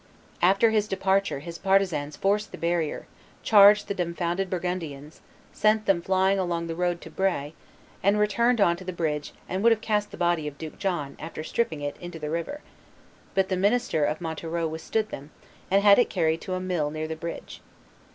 After his departure his partisans forced the barrier, charged the dumbfounded Burgundians, sent them flying along the road to Bray, and returning on to the bridge would have cast the body of Duke John, after stripping it, into the river; but the minister of Montereau withstood them, and had it carried to a mill near the bridge.